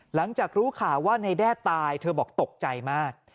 หลังจากรู้ข่าวว่าในแด้ตายเธอบอกตกใจมาก